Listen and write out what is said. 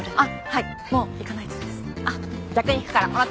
はい。